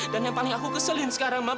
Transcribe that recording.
dan yang paling aku keselin sekarang ma